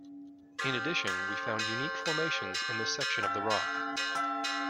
In addition, we found unique formations in this section of the rock.